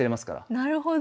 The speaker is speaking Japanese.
なるほど。